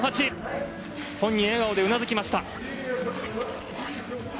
本人、笑顔でうなずきました。